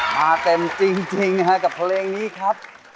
มาเต็มจริงกับเพลงนี้ครับ